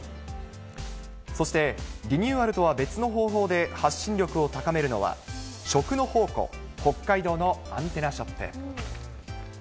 そして、リニューアルとは別の方法で発信力を高めるのは、食の宝庫、北海道のアンテナショップ。